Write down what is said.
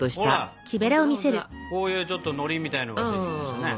こういうちょっとのりみたいなのがついてきましたね。